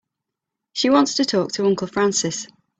She wants to talk to Uncle Francis.